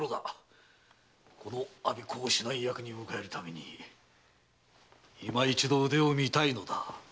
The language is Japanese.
この我孫子を指南役に迎えるためにいま一度腕を見たいのだ。